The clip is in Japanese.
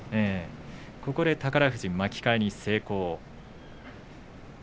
ここで宝富士巻き替えに成功。